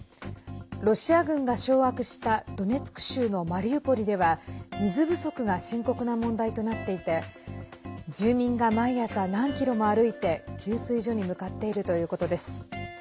ロシア軍が掌握したドネツク州のマリウポリでは水不足が深刻な問題となっていて住民が毎朝、何キロも歩いて給水所に向かっているということです。